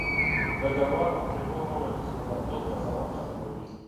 ډګروال په پیغور وویل چې بوډاتوب قضاوت خرابوي